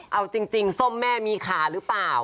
เอาจริงส้มแม่มีขาหรือเปล่า